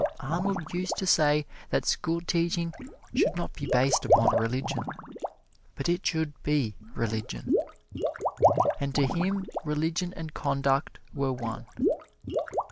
Arnold used to say that schoolteaching should not be based upon religion, but it should be religion. And to him religion and conduct were one.